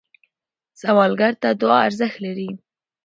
سوالګر ته دعا ارزښت لري